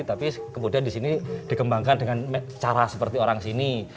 tapi kemudian di sini dikembangkan dengan cara seperti orang sini